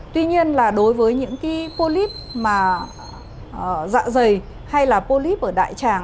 tuy nhiên là đối với những cái polip mà dạ dày hay là polip ở đại tràng